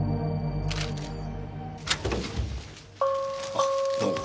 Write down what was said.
あどうも。